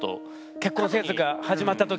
結婚生活が始まった時に？